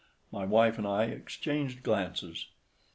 My wife and I exchanged glances.